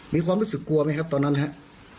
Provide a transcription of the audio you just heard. มีความรู้สึกกลัวไหมครับตอนนั้นครับ